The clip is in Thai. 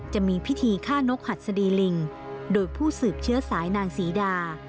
จะมีพิธีฆ่านกหัดสดีลิงโดยผู้สืบเชื้อสายนางศรีดา